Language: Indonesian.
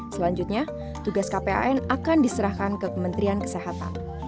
selanjutnya tugas kpan akan diserahkan ke kementerian kesehatan